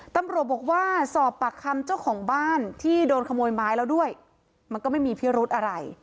ตำรวจบอกว่าสอบปากคำเจ้าของบ้านที่โดนขโมยไม้แล้วด้วยมันก็ไม่มีพิรุธอะไร